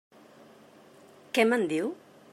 Què me'n diu?